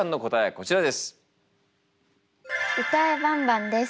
こちらです。